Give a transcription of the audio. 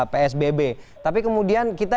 psbb tapi kemudian kita